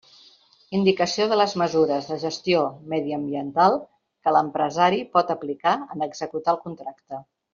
Indicació de les mesures de gestió mediambiental que l'empresari pot aplicar en executar el contracte.